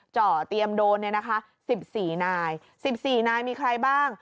เจาะเตรียมโดนเนี่ยนะคะ๑๔นาย๑๔นายมีใครบ้าง